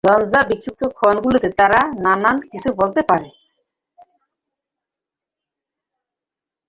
ঝঞ্জা-বিক্ষুদ্ধ ক্ষণগুলোতে তারা নানান কিছু বলতে পারে!